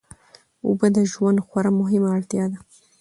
اوبه د ژوند خورا مهمه اړتیا ده.